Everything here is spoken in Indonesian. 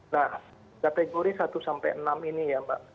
nah kategori satu sampai enam ini ya mbak